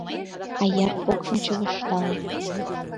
Аяр покшым чывыштале.